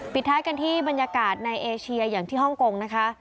ท้ายกันที่บรรยากาศในเอเชียอย่างที่ฮ่องกงนะคะ